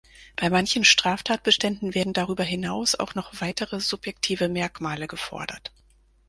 Bei manchen Straftatbeständen werden darüber hinaus auch noch weitere subjektive Merkmale gefordert.